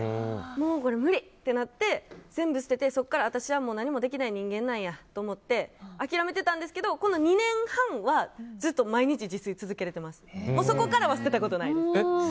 もう、これ無理ってなって全部、捨ててそこから、私は何もできない人間なんやって諦めてたんですけど、２年半はずっと毎日、自炊を続けられています。